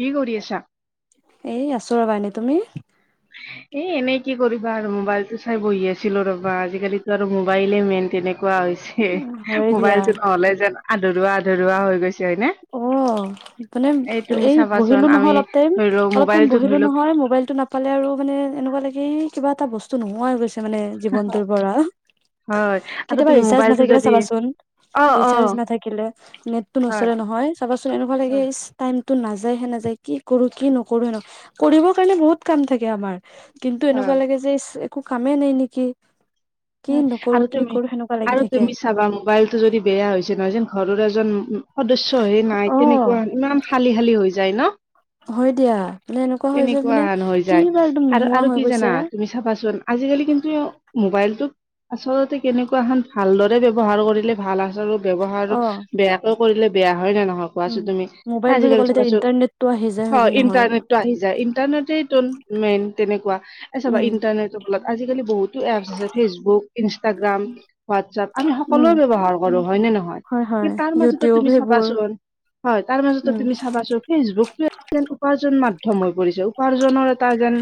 কি কৰি আছা। এই আছো ৰবা এনে তুমি। এ এনেই কি কৰিবা আৰু মোবাইলটো চাই বহি আছিলো ৰবা আজিকালিতো আৰু মোবাইলে মেইন তেনেকুৱা হৈ। ছে হয় দিয়া মোবাইলটো নহলে যেন আধৰুৱা আধৰুৱা হৈ গৈছে হয়নে। অ তুমি [inaudible] এই চাবাচোন বহিলো আমি নহয় অলপ টাইম ধৰি লও অলপ টাইম মোবাইলটো ধৰি বহিলো লওক নহয় মোবাইলটো না। নাপালে আৰু মানে এনেকুৱা লাগে কিবা এটা বস্তু নোহোৱা হৈ গৈছে মানে জীৱনটোৰ পৰা। হয় আৰু কেতিয়াবা তুমি ৰিচাৰ্চ মোবাইলটো নাথাকিলে যদি চাবাচোন অ', ৰিৰ্চাজ অ', নাথাকিলে নেট নচ। হয়, চলে নহয় চাবাচোন এনেকুৱা লাগে হয়, ইচ। টাইমতটো নাযায়হে নাযায় কি কৰো কি নকৰো ন কৰিবৰ কাৰণে বহুত কাম থাকে আমাৰ। কিন্তু এনেকুৱা হয়, লাগে যে ইচ একো কামেই নাই নেকি। কি হয় নকৰো আৰু কি তুমি কৰো সেনেকুৱা লাগি আৰু থাকে। তুমি চাবা মোবাইলটো যদি বেয়া হৈছে নহয় যেন ঘৰৰ এজন। সদস্য হে নাই অ' তেনেকুৱা ইমান খালি খালী হৈ যায় ন। হয় দিয়া মানে এনেকুৱা হয় যে তেনেকুৱা মানে ন হৈ কি যায় বা একদম আৰু নোহোৱা আৰু হৈ কি গৈছে জানা তুমি। চাবাচোন আজিকালি কিন্তু মোবাইলটো। আচলতে কেনেকুৱা খন ভালদৰে ব্যৱহাৰ কৰিলে ভাল আচল। ব্যৱহাৰ অ বেয়াকে কৰিলে বেয়া হয় নে নহয় কোৱাচোন তুমি আজিকালি চাবাচো। টো আহি যায় হয়নে নহয়। ত আহি যায় ইণ্টাৰনেট মেইন তেনেকুৱা এ চাবা উম ইণ্টাৰনেটৰ ফলত আজিকালি বহুত। টো এপছ আছে ফেচবুক ইনষ্টাগ্ৰাম। হোৱাটছপ আমি উম সকলোৱে ব্যৱহাৰ কৰো হয় নে নহয় হয় হয় কিন্তু তাৰ মাজটো ইউটিউব তুমি সেইবোৰ চাবাচোন। হয় তাৰ মাজতো উম তুমি চাবাচোন ফেচবুক তোৱে। যেন উপাৰ্জন মাধ্যম হৈ পৰিছো উপাৰ্জনৰ এটা যেন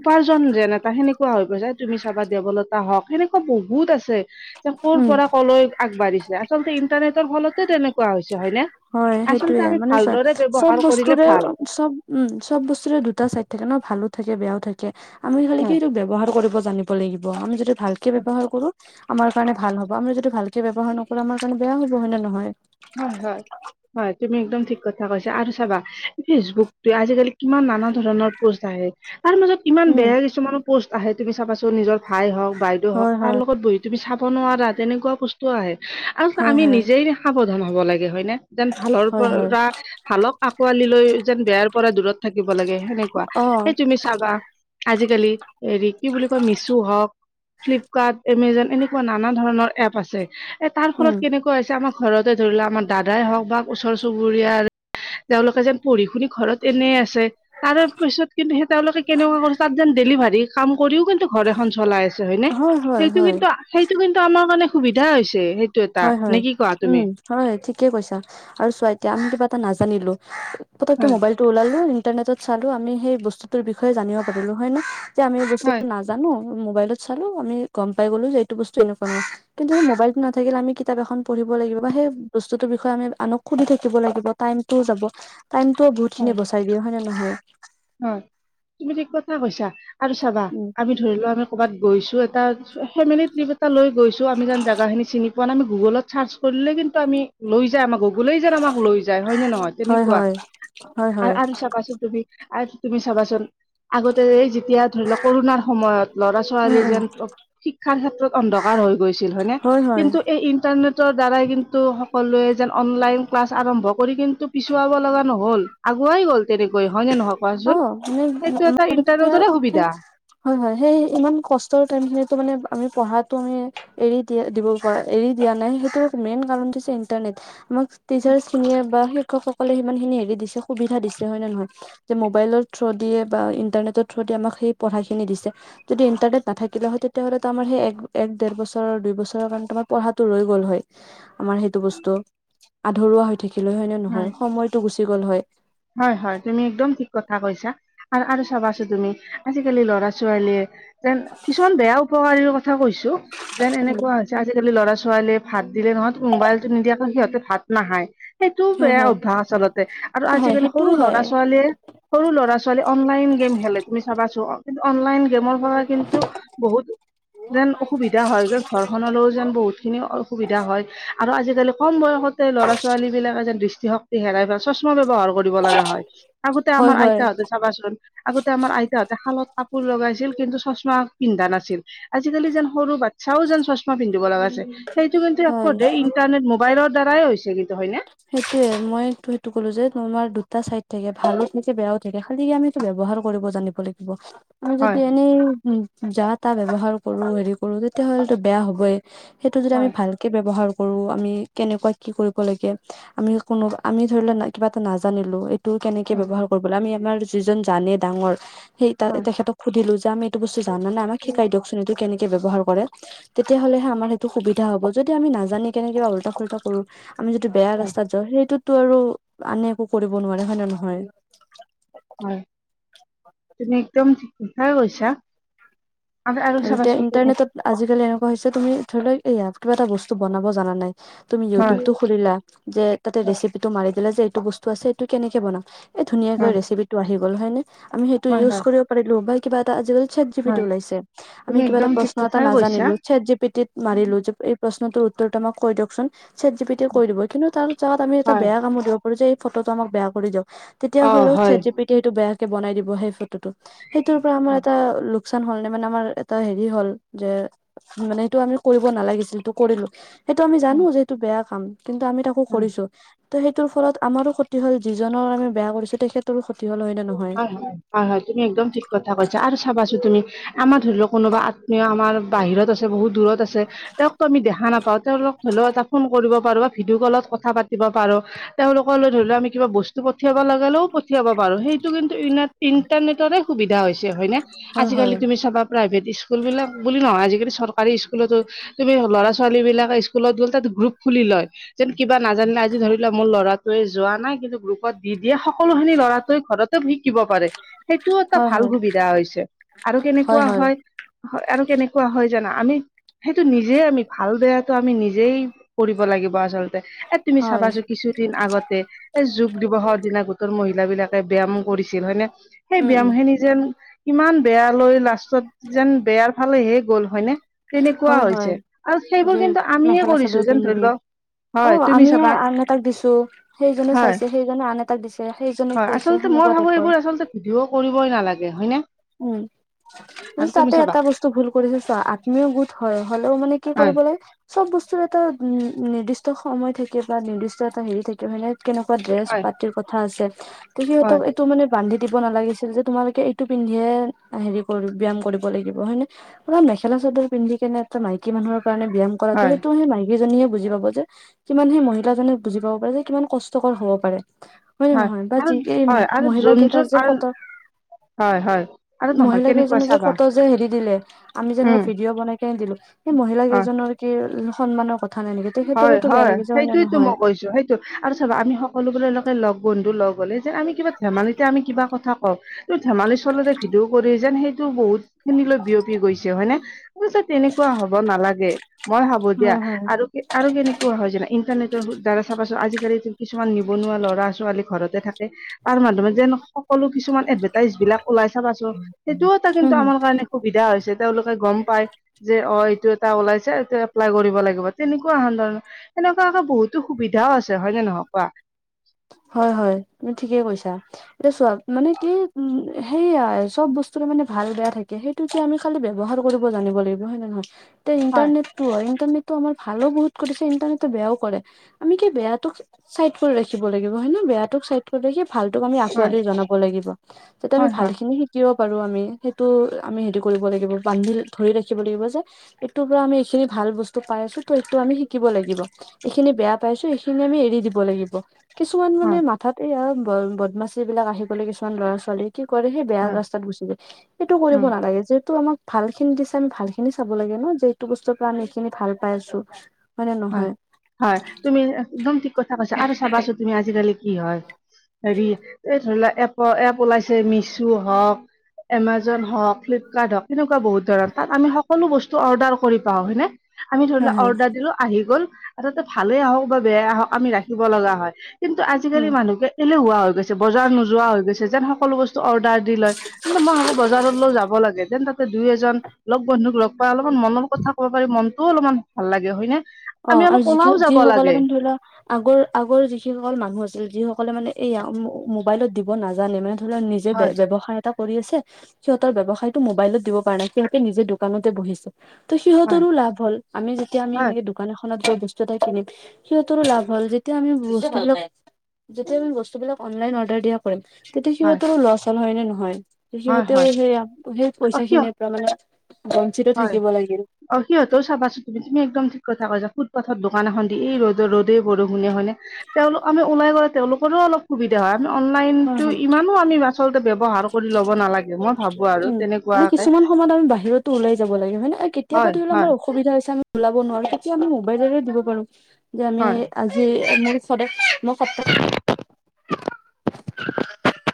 উপাৰ্জন যেন এটা সেনেক। কোৱা হৈ গৈছা তুমি চাবা দেৱলতা হওঁক, সেনেকুৱা বহুত আছে। যে ক'ৰ উম পৰা কলৈ আগবাঢ়িছা, আচলতে ইন্টাৰনেটৰ ফলতে তেনেকুৱা হৈছে হয়নে। হয় সেইটোয়ে আচলতে আমি মানে চোৱা ভালদৰে চব ব্যৱহাৰ কৰিলে বস্তুৰে ভাল। চব উম চব বস্তুৰে দুটা চাইড থাকে ন ভালো, থাকে বেয়াও থাকে, আমি হলে কি হয় টো বে। ব্যৱহাৰ কৰিব জানিব লাগিব আমি যদি ভালকে ব্যৱহাৰ কৰোঁ আমাৰ। আমাৰ কাৰণে ভাল হ'ব আমি যদি ভালকে ব্যৱহাৰ নকৰো আমাৰ কাৰণে বেয়া হব হয় নে নহয়। হয় হয়। হয়, তুমি একদম ঠিক কথা কৈছা, আৰু হয় তুমি একদম ঠিক কথা কৈছা আৰু চাবা ফেচবুকতোৱে আজিকালি কিমান নানা ধৰণৰ পষ্ট আহে। তাৰ মাজত ইমান উম বেয়া কিছুমানো প'ষ্ট আহে, তুমি চাবাছোন নিজৰ ভাইহওক বাইদেউহওক হয় তাৰ হয় লগত বহি। তুমি চাব নোৱাৰা, তেনেকুৱা বস্তু আহে আৰু হয় আমি হয় নিজেই সাৱধান হব লাগে হয়নে। যেন ভালৰ হয় হয় পৰা ভালক আঁকোৱালি লৈ, যেন বেয়াৰ পৰা দূৰত থাকিব লাগে সেনেকুৱা। অ এই, তুমি চাবা আজিকালি হেৰি, কি বুলি কয় মিচু হওঁক। ফ্লিপকাৰ্ট, এমেজন এনেকুৱা নানা ধৰণৰ এপ আছে এ তাৰ ফলত উম কেনেকুৱাহৈছে আমাক। ঘৰতে ধৰি লোৱা আমাৰ দাদাই হওঁক বা ওচৰ চুবুৰীয়াৰ। তেওঁলোকে যেন পঢ়ি শুনি ঘৰত এনেই আছে। তাৰে পিছত, কিন্তু সেই তেওঁলোকে কেনেকুৱা কৰি তাত যেন ডেলিভাৰী কাম কৰিও, কিন্তু ঘৰ এখন চলাই আছে হয়নে। হয় হয়, সেইটো হয়। কিন্তু সেইটো কিন্তু আমাৰ কাৰণে সুবিধা হৈছে। সে হয়, হয় 'উম' হয় ঠিকেই কৈছা। আৰু চোৱা এতিয়া আমি কিবা এটা নাজানিলো পতককে হয় মোবাইলটো ওলালো ইন্টাৰনেটত চালো, আমি সেই বস্তুটোৰ বিষয়ে জানিব পাৰিলো। হয় নে? যে আমি হয় বস্তুটো নাজ জানো মো মোবাইলত চালো আমি গ'ম পাই গ'লো যে, এইটো বস্তু এনেকুৱা হয়, কিন্তু মোবাইলটো থাকিলে আমি কিতাপ এখন পঢ়িব লাগিব, বা সেই বস্তুতৰ বিষয়ে আমি আনক সুধি থাকিব লাগিব। টাইমতোও যাব। টাইমতটোও বহুত খিনি বচাই দিয়ে হয় নে নহয়? ওম। তুমি ঠিক কথা কৈছা আৰু চাবা উম আমি ধৰি লোৱা, আমি ক'ৰবাত গৈছো, এটা ফেমিলি ট্ৰিপ এটা লৈ গৈছো আমি যেন জাগা খিনি চিনি পোৱা নাই, আমি গুগলত চাৰ্চ কৰিলে কিন্তু আমি লৈ যায়, আমাক গুগলেই যেন আমাক লৈ যায় হয় নে নহয়, হয় তেনেকুৱা। হয় হয় আ হয় আৰু চাবাচোন তুমি আচ' তুমি চাবাচোন। আগতে, এই যেতিয়া ধৰি লও কৰোণাৰ সময়ত ল'ৰা উম ছোৱালী উম যেন শিক্ষাৰ ক্ষেত্ৰত অন্ধকাৰ হৈ গৈছিল হয়নে? হয় হয় কিন্তু এই ইন্টাৰনেট। তৰ, দ্বাৰাই কিন্তু সকলোৱে যেন অনলাইন ক্লাছ আৰম্ভ কৰি, কিন্তু পিছুৱাব লগা নহ'ল। আগুৱাই গ'ল তেনেকৈ হয়নে নহয় অ কোৱাচোন? মানে সেইটো এটা আমাৰ তেতিয়া ইণ্টাৰনেটৰে সেই সুবিধা। হয়, হয়। সেই ইমান কষ্টৰ টাইম খিনিতো মানে আমি পঢ়াতটো আমি এৰি দিয়া দিব পৰা, এৰি দিয়া নাই সেইটো মেইন কাৰণটো হৈছে ইণ্টাৰনেট। আমাক টিচাৰছ খিনিয়ে বা শিক্ষকসকলে সিমান খিনি হেৰি দিছে, সুবিধা দিছে হয় নে নহয়? যে মোবাইলৰ থ্ৰ দিয়ে বা ইন্টাৰনেটৰ থ্ৰ দিয়ে আমাক সেই পঢ়াখিনি দিছে। যদি ইন্টাৰনেট নাথাকিলে হয়, তেতিয়াহ'লে তাৰ আমাৰ এক ডেৰ বছৰৰ দুই বছৰৰ মান তোমাৰ পঢ়াটো ৰৈ গল হয়। আমাৰ সেইটো বস্তু আধৰুৱা হৈ থাকিলে হয় নে নহয়? সময়তটো গুচি গ'ল হয়। হয়, হয় তুমি একদম ঠিক কথা কৈছা। আৰ আৰু চাবাচোন তুমি আজিকালি ল'ৰা ছোৱালীয়ে যেন কিছুমান বেয়া উপকাৰীৰ কথা কৈছো, যেন উম এনেকুৱা হৈছে, আজিকালি ল'ৰা ছোৱালীয়ে ভাত দিলে নহয়, মোবাইলতটো নিদিয়াকৈ সিহঁতে ভাত নাখায়। সেইটোও হয় বেয়া হয় অভ্যাস আচলতে, আৰু হয় আজিকালি সেইটোও সৰু হয়। ল'ৰা ছোৱালীয়ে সৰু ল'ৰা ছোৱালীয়ে অনলাইন গেম খেলে তুমি চাবাচো কিন্তু অনলাইন গেমৰ ৰ' কিন্তু বহুত যেন অসুবিধা হয় গৈ ঘৰখনলৌ যেন বহুত, খিনি অসুবিধা হয় আৰু আজিকালি কম বয়সতে ল'ৰা, ছোৱালী বিলাকে যেন দৃষ্টি শক্ হেৰাই বা চশমা ব্যৱহাৰ কৰিব লগা হয়। আগতে হয় আমাৰ হয় আইতাহঁতে চাবাচোন আগতে আমাৰ আইতাহঁতে শালত কাপোৰ লগাইছিল, কিন্তু চশমা, পিন্ধা নাছিল। আজিকালি যেন সৰু বাচ্ছাও যেন চশমা পিন্ধিব লগা হৈছে। সেইটো কিন্তু হয়। একপধ্যে ইণ্টাৰনেট, মোবাইলৰ দ্বাৰাই হৈছে কিন্তু হয় নে? সেইটোয়ে মইটো সেইটো ক'লো যে মানুহৰ দুটা চাইড থাকে। ভালও থাকে, বেয়াও থাকে। খালি আমি ব্যৱহাৰ কৰিব জানিব লাগিব। আমি যদি হয় এনেইও যা-তা ব্যৱহাৰ কৰো, হেৰি কৰো, তেতিয়া হ'লেটো বেয়া হ'বই। সেইটো যদি আমি হয় ভালকে ব্যৱহাৰ কৰো, আমি কেনেকুৱা কি কৰিব লাগে আমি কোনো আমি ধৰি লোৱা কিবা এটা নাজানিলো এইটো কেনেকে হয় ব্যৱহাৰ কৰিব লাগে আমি আমাৰ যিজন জানে ডাঙৰ সেই তাৰ হয় তেখেতক সুধিলো যে আমি এইটো বস্তু জান নাই, আমাক শিকাই দিয়কচোন এইটো কেনেকে ব্যৱহাৰ কৰে? তেতিয়া হ'লেহে আমাৰ সেইটো সুবিধা হ'ব। যদি আমি নাজানি কেনে কিবা উল্টা-পুল্ল্টা কৰো। আমি য টো বেয়া হয় ৰাস্তাত যাওঁ, সেইটোতো আৰু আনে একো কৰিব নোৱাৰে হয়নে নহয়? হয়, তুমি একদম ঠিক কথাই কৈছা। আৰু এতিয়া ইন্টাৰনেটত আজিকালি এনেকুৱা হৈছে তুমি ধৰি লোৱা এয়া কিবা এটা বস্তু বনাব জানা নাই। তুমি হয় ইউটিউবতটো খুলিলা যে তাতে ৰেচিপিটো মাৰি দিলা যে এইটো বস্তু আছে এইটো কেনেকে বনাম? এ ধুনীয়াকৈ হয় ৰেচিপিটোি আহি গ'ল হয়নে? আমি সেইটো হয় ইউজ হয় কৰিব পাৰিলো বা কিবা এটা আজিকালি chat chat G P T হয় ওলাইছে। আমি তুমি কিবা একদম এটা ঠিক প্ৰশ্ন এটা কথাই কৈছা। নাজানিলো চেট জি পি টিত- মাৰিলো যে এই প্ৰশ্নটোৰ উত্তৰটো আমাক কৈ দিয়কচোন। চেট জি পি টিয়ে কৈ দিব। কিন্তু তাৰ তাত আমি এটা হয় বেয়া কামও দিব পাৰো যে এই ফটোটো আমাক বেয়া কৰি দিয়ক। তেতিয়া অ হ'লেও হয়। চেট জি পি তেতিয়া সেইটো বেয়া কে বনাই দিব। সেই ফটোটো, সেইটোৰ পৰা আমাৰ উম এটা লোকচান হ'ল নে? মানে আমাৰ এটা হেৰি হ'ল যে মানে সেটো আমি কৰিব নালাগিছিল টো কৰিলো। সেইটো আমি জানো উম। যে এইটো বেয়া কাম। কিন্তু আমি তাকো হয় কৰিছো। তে সেইটোৰ ফলত আমাৰো ক্ষতি হল, যিজনৰ আমি বেয়া কৰিছো তেখেতৰো ক্ষতি হ'ল। হয় নে নহয়? হয়ঁ, হয়ঁ, হয়ঁ, হয়ঁ, তুমি একদম ঠিক কথা কৈছা আৰু চাবাচোন তুমি- আমাৰ ধৰি লওক কোনোবা আত্মীয় আমাৰ বাহিৰত আছে, বহুত দূৰত আছে তেওঁকতো আমি দেখা নাপাওঁ, তেওঁলোক হ'লেও এটা ফোন কৰিব পাৰোঁ বা ভিডিঅ' কলত কথা পাতিব পাৰো। তেওঁলোকলৈ ধৰি লোৱা আমি কিবা বস্তু পঠিয়াব লগালেও পঠিয়াব পাৰো। সেই সেইটো কিন্তু ইনা-ইটাৰনেটৰে সুবিধা হৈছে হয় নে? হয় হয় আজিকালি তুমি চাবা প্ৰাইভেট স্কুলবিলাক বুলি নহয় আজিকালি চৰকাৰী স্কুলতো তুমি ল'ৰা-ছোৱালী বিলাকে স্কুলত গ'ল, তাত গ্ৰুপ খুলি লয়। যেন কিবা নাজানিলে আজি ধৰি লোৱা মোৰ ল'ৰাটোৱে যোৱা নাই কিন্তু গ্ৰুপত দি দিয়ে। সকলোখিনি লৰাটোৱে চব শিকিব পাৰে। সেইটোও এটা হয় ভাল হয় সুবিধা হৈছে আৰু কেনেকুৱা হয়- হয়ঁ আৰু কেনেকুৱা হয়ঁ জানা আমি- সেইটো নিজেই আমি ভাল, বেয়াটো আমি নিজেই কৰিব লাগিব আচলতে। এ', তুমি হয়। চাবাচো কিছুদিন আগতে এ, যোগ দিৱসৰ দিনা গোটৰ মহিলা বিলাকে ব্যায়াম কৰিছিল হয়নে! সেই ব্যায়ামখিনি যেন ইমান বেয়ালৈ লাষ্ট ত যেন বেয়াৰ ফালে হে গ'ল হয়নে? তেনেকুৱা হয় হয় হৈছে আৰু যে সেইবোৰ কিন্তু আমিয়ে কৰিছোঁ যেন ধৰি লওক- অঁ আমি আন এটাক দিছো সেইজনে হয় চাইছে, সেইজনে আন এটাক দিছে, সেইজনে হয় কৈ আচলতে মই ভাবো এইবোৰ আচলতে ভিডিঅ' কৰিবই নালাগে হয়নে? উম। আৰু তুমি তাতে চাবা এটা বস্তু ভুল কৰিছো চা আত্মীয় গোট হয়, হলেওঁ মানে কি হয় কৰিবলে চব বস্তুৰ এটা নিৰ্দিষ্ট সময় থাকে বা নিৰ্দিষ্ট এটা হেৰি থাকে হয়নে? কেনেকুৱা ড্ৰেছ হয় পাতিৰ কথা আছে। তে হয় সিহঁতক এইটো মানে বান্ধি দিব নালাগিছিল যে তোমালোকে এইটো পিন্ধিয়ে হেৰি কৰিব ব্যায়াম কৰিব লাগিব হয় নে? পুৰা মেখেলা-চাদৰ পিন্ধি কেনে এটা মাইকী মানুহৰ কাৰণে ব্যায়াম কৰাটো, হয় সেইটোহে মাইকি- সেইজনীয়ে বুজি পাব যে কিমান, সেই মহিলাজনিয়ে বুজি পাব পাৰে যে কিমান কষ্টকৰ হ'ব পাৰে। হয়ঁ নে হয় নহয়! বা আৰু যি এই মহিলা কেইটাৰ যে ফত হয়ঁ, হয়ঁ, আৰু নহয়, কেনেকুৱা যে চাবা। ফটো যে হেৰি দিলে, আমি যেনে উম ভিডিঅ' বনাই কে দিলো, সেই মহিলা কেইজনৰ কি সন্মানৰ কথা নাই নেকি হয়ঁ, তেখেতৰোতো বেয়া হয়ঁ, লাগিছে হয় নে সেইটোএইটো নহয়? মই কৈছো সেই আৰু চাবা আমি সকলোবোৰকে লগ বন্ধু লগ হ'লে যেন আমি কিবা ধেমালিতে আমি কিবা কথা কওঁ। ত ধেমালি চলৰে ভিডিও কৰি যেন সেইটো বহুত খিনিলৈ বিয়পি গৈছে হয়নে? পিছে তেনেকুৱা হ'ব নালাগে মই ভাবো দিয়া হয় হয়। আৰু আৰু কেনেকুৱা হয় জান ইণ্টাৰনেটৰ দ্বাৰা চাবাচোন আজিকালিতো কিছুমান নিবনুৱা ল'ৰা ছোৱালী ঘৰতে থাকে। তাৰ মাজে মাজে যে সকলো কিছুমান এডভাৰটাইজ বিলাক ওলাই চাবাচোন সেইটোও এটা উম কিন্তু হুম। আমাৰ কাৰণে সুবিধা হৈছে তেওঁলোকে গম পাই যে অঁ এইটো এটা ওলাইছে এইটো এপ্লাই কৰিব লাগিব তেনেকুৱা। ৰ এনেকুৱা আকৌ বহুতো সুবিধাও আছে হয় ননে নহয় কোৱা হয়ঁ হয়ঁ তুমি ঠিকে কৈছা। এতিয়া চোৱা, মানে কি উম' সেইয়া চব বস্তুৰে মানে ভাল বেয়া থাকে। সেই সেইটোকে আমি খালি ব্যৱহাৰ কৰিব জানিব লাগিব হয় নে নহয়, এতিয়া হয় ইণ্টাৰনেট সেইটো হয়। ইণ্টাৰনেটটো আমাৰ ভালো বহুত কৰিছে, ইণ্টাৰনেটটো বেয়াও কৰে। আমি কি বেয়াটো চাইড কৰি ৰাখিব ৰাখিব লাগিব, হয় নে বেয়াটোক চাইড কৰি ভালতোক আমি হয় আকোঁৱালি জনাব লাগিব। যাতে আমি হয় ভাল হয় খিনি কিয় পাৰোঁ আমি সেইটো আমি হেৰি কৰিব লাগিব, বান্ধি ধৰি ৰাখিব লাগিব যে এইটোৰ পৰা আমি এইখিনি ভাল বস্তু পাই আছোঁ, ত সিটো আমি শিকিব লাগিব। এইখিনি বেয়া পাইছোঁ, সিখিনি আমি এৰি দিব লাগিব। কিছুমান মানে হয় মাথাতে আৰু বদমাচি বিলাক আহি গ'লে কিছুমান ল'ৰা-ছোৱালী। কি কৰে সেই বেয়া হয় ৰাস্তাত গুচি যায়, সেইটো কৰিব উম নালাগে। যিহেতু আমাক ভাল খিনি দিছে, আমি ভাল খিনি চাব লাগে ন, যে এইটো বস্তুৰ পৰা আমি এইখিনি ভাল পাই আছোঁ। হয় নে নহয়? হয়, তুমি একদম ঠিক কথা কৈছা আৰু চাবাছোন তুমি আজিকালি কি হয় হেৰি এই ধৰি লোৱা এপ এপ ওলাইছে মিছু হওক এমাজন হওক, ফ্লিপকাৰ্ট হওক, এনেকুৱা বহুত ধৰণৰ তাত আমি সকলো বস্তু অৰ্ডাৰ কৰি পাওঁ হয়নে আমি ধৰি হা লোৱা হা অৰ্ডাৰ দিলোঁ আহি গ'ল আ তাতে ভালেই আহক বা বেয়াই আহক আমি ৰাখিব লগা হয়। কিন্তু উম। আজিকালি মানুহকে এলেহুৱা হৈ গৈছে, বজাৰ নোযোৱা হৈ গৈছে যেন সকলো বস্তু অৰ্ডাৰ দি লয়, কিন্তু মই ভাবোঁ বজাৰলৈও যাব লাগে, তেন তাতে দুই এজন লগ বন্ধুক লগ পায় অলপমান মনৰ কথা ক'ব পাৰি, মনটোও অলপমান ভাল লাগে হয় নে অ' আৰু যি যিসকলে মানে ধৰি লও আগৰ-আগৰ যিসকল মানুহ আছিল, যিসকল মানে এইয়া মোবাইলত দিব নাজানে মানে ধৰি লোৱা নিজে হয় ব্যৱসায় এটা কৰি আছে, সিহঁতৰ ব্যৱসায়টো মোবাইলত দিব পৰা নাই, সিহঁতে নিজে দোকানতে বহিছে ত হয় সিহঁতৰো লাভ হ'ল। আমি যেতিয়া আমি হয় সেনেকে দোকান এখনত গৈ বস্তু এটা কিনিম, সিহঁতৰো লাভ হ'ল। যেতিয়া আমি বস্তুবিলাক যেতিয়া আমি বস্তুবিলাক অনলাইন অৰ্ডাৰ দিয়া হ'ল, তেতিয়া হয় সিহঁতৰো লছ হ'ল, হয় নে নহয়? হয় সিহঁতেও হয় সেই সেই অ পইচা কিয় খিনি ত মানে বঞ্চিতো হয় থাকিব লাগিল। অ' সিহঁতৰো চাবাচোন তুমি, তুমি একদম ঠিক কথা কৈছা, ফুটপাথত দোকান এখন দি এই ৰ'দৰ ৰ'দেই, বৰষুনে হয়নে তেওঁলোক আমি ওলাই গ'লে তেওঁলোকৰো অলপ সুবিধা হয়। আমি হয় অনলাইনতো হয় ইমানো আমি আচলতে ব্যৱহাৰ কৰি ল'ব নালাগে মই ভাবো আৰু আমি তেনেকুৱাকে কিছুমান সময়ত আমি বাহিৰতো ওলাই যাব লাগে হয়নে, কেতিয়াবা হয় ধৰি লোৱা হয় আমাৰ অসুবিধা হৈছে আমি ওলাব নোৱাৰোঁ, তেতিয়া আমি মোবাইলৰে দিব পাৰোঁ যে আমি হয় আজি মোৰ ফতে মোৰ সপ্তাহ [unintelligible]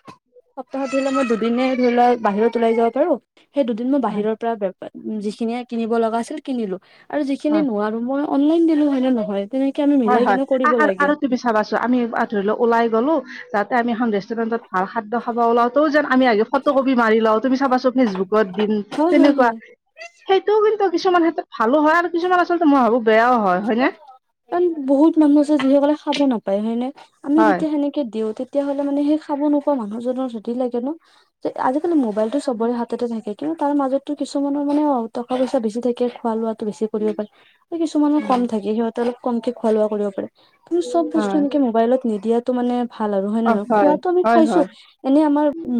সপ্তাহত ধৰি ল'লে মই দুদিনে ধৰি লোৱা বাহিৰত ওলাই যাব পাৰোঁ। সেই দুদিন মই হয় বাহিৰৰ পৰা বেপাৰ যিখিনিয়ে কিনিব লগা আছিল কিনিলোঁ। আৰু যিখিনি হয় নোৱাৰোঁ মই অনলাইন দিলোঁ হয়নে নহয়, তেনেকে আমি মিলাই কেনে কৰিব লাগে। চাবা চোৱা আমি ধৰি লোৱা ওলাই গলো, যাতে আমি এখন ৰেষ্টুৰেণ্টত ভাল খাদ্য খাব ওলাওঁ ত যেন আমি আগে ফটো কপি মাৰি লওঁ, তুমি চাবাচোন ফেচবুকত দিম হয় হয় তেনেকুৱা হয় সেইটোও কিন্তু কিছুমান ক্ষেত্ৰত ভালো হয়, আৰু কিছুমান আচলতে মই ভাবোঁ বেয়াও হয় ন। কাৰণ বহুত মানুহ আছে যিসকলে খাব নাপায়, হয়নে আমি হয় যেতিয়া সেনেকে দিওঁ তেতিয়াহ'লে মানে সেই খাব নোপোৱা মানুহজনৰ হেৰি লাগে ন যে আজিকালি মোবাইল টো সবৰে হাততে থাকে। কিন্তু তাৰ মাজতো কিছুমানৰ মানে অ' টকা পইচা বেছি থাকে, খোৱা লোৱাটো বেছি কৰিব পাৰে। উম, কম থাকে সিহঁতে অল কমকে খোৱা লোৱা কৰিব পাৰে চব বস্তু হয় এনেকে মোবাইলত নিদিয়াতো মানে ভাল আৰু হয় নে অ, নহয় খোৱাটো আমি হয়, খাইছো হয়, এনেই আমাৰ উ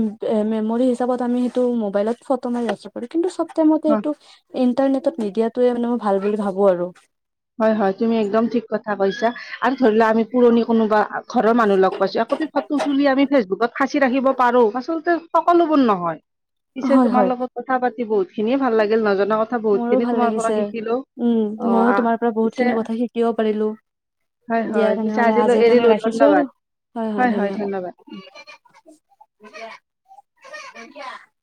মেমৰি হিচাপত আমি সেইটো মোবাইলত ফটো মাৰি আছো কিন্তু চব টাইমতে হয়, এইটো ইন্টাৰনেটত নিদিয়াতয়ে মানে মই ভাল বুলি ভাবো আৰু হয় হয় তুমি একদম ঠিক কথা কৈছা আৰু ধৰি লোৱা আমি পুৰণি কোনোবা ঘৰৰ মানুহ লগ পাইছো একপি ফটো তুলি আমি ফেচবুকত সাঁচি ৰাখিব পাৰোঁ আচলতে সকলোবোৰ নহয় পিছে হয় তোমাৰ হয় লগত কথা পাতি বহুত খিনিয়ে ভাল লাগিল নজনা কথা বহুত মোৰো খিনি ভাল তোমাৰ পৰা লাগিছে শিকিলো উম অ, মইয়ো আহ তোমাৰ পৰা বহুত পিছে খিনি কথা শিকিব পাৰিলো হয়, হয়, দিয়া পিছে তেনেহলে আজিলৈ আজিৰ কাৰনে এৰিলো ৰাখিছো ধন্যবাদ আৰু হয় হয় ধন্যবাদ এ [unintelligible]